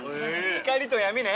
光と闇ね。